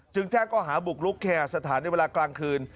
จึงแจ้งเข้าหาบุกรุกแคลย์สถานในเวลากลางคืน